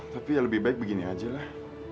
tapi ya lebih baik begini aja lah